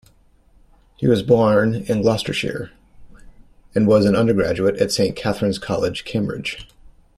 He was born in Gloucestershire, and was an undergraduate at Saint Catharine's College, Cambridge.